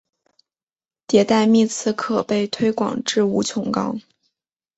迭代幂次可被推广至无穷高。